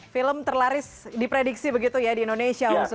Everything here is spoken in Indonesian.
film terlaris diprediksi begitu ya di indonesia